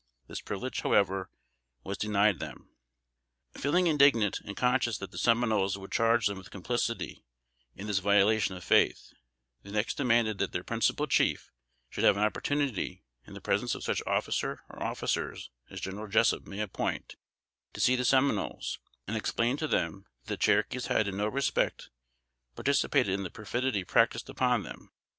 This privilege, however, was denied them. Feeling indignant, and conscious that the Seminoles would charge them with complicity, in this violation of faith, they next demanded that their principal chief should have an opportunity, in the presence of such officer or officers as General Jessup may appoint, to see the Seminoles, and explain to them that the Cherokees had in no respect participated in the perfidy practiced upon them.